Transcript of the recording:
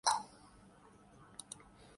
اقتدار کے اس کھیل میں آپ کو جتنا حصہ ملتا ہے